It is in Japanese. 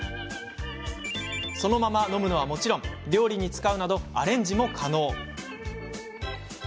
そのまま飲むのはもちろん料理に使うなどアレンジも可能。